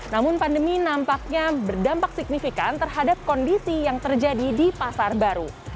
namun pandemi nampaknya berdampak signifikan terhadap kondisi yang terjadi di pasar baru